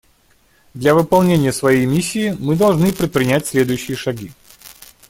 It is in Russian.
Для выполнения своей миссии мы должны предпринять следующие шаги.